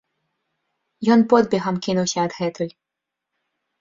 Ён подбегам кінуўся адгэтуль.